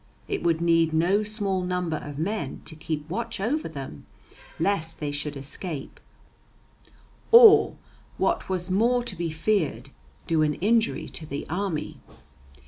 It would need no small number of men to keep watch over them, lest they should escape, or, what was more to be feared, do an injury to the army.